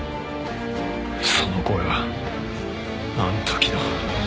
その声はあの時の。